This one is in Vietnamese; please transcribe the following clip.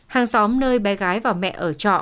hàng xóm nơi bé gái và mẹ ở trọ